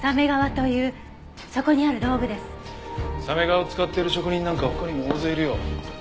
鮫皮を使ってる職人なんか他にも大勢いるよ。